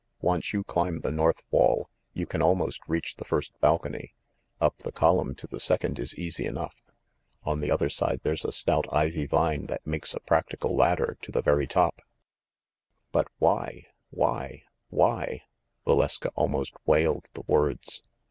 Once you climb the north wall, you can almost reach the first balcony. Up the column to the second is easy enough. THE FANSHAWE GHOST 79 On the other side there's a stout ivy vine that makes a practical ladder to the very top." "But why, why, why?" Valeska almost wailed the words.